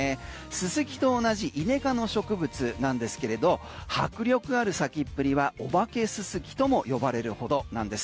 ススキと同じイネ科の植物なんですけれど迫力ある咲きっぷりはお化けススキとも呼ばれるほどなんです。